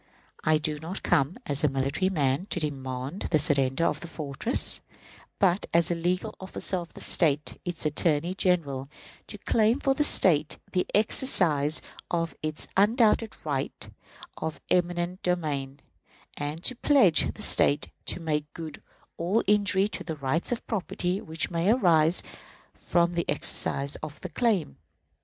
I do not come as a military man to demand the surrender of a fortress, but as the legal officer of the State, its Attorney General, to claim for the State the exercise of its undoubted right of eminent domain, and to pledge the State to make good all injury to the rights of property which may arise from the exercise of the claim.